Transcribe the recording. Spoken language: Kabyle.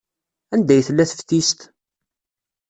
Anda ay tella teftist?